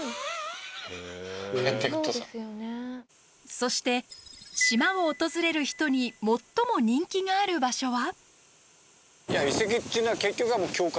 そして島を訪れる人に最も人気がある場所は。